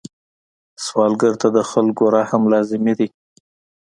سوالګر ته د خلکو رحم لازمي دی